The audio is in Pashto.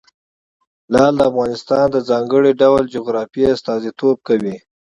لعل د افغانستان د ځانګړي ډول جغرافیه استازیتوب کوي.